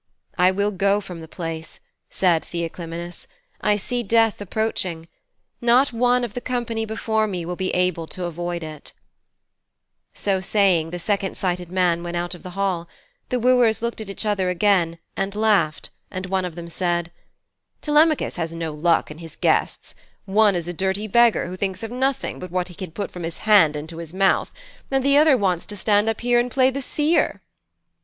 'I will go from the place,' said Theoclymenus. 'I see death approaching. Not one of all the company before me will be able to avoid it.' So saying, the second sighted man went out of the hall. The wooers looking at each other laughed again, and one of them said: 'Telemachus has no luck in his guests. One is a dirty beggar, who thinks of nothing but what he can put from his hand into his mouth, and the other wants to stand up here and play the seer.'